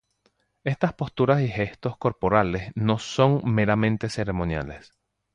Estas posturas y gestos corporales no son meramente ceremoniales.